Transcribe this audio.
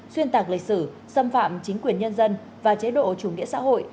xuyên tạc lịch sử xâm phạm chính quyền nhân dân và chế độ chủ nghĩa xã hội